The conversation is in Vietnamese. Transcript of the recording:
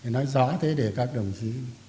nói rõ thế để các đồng chí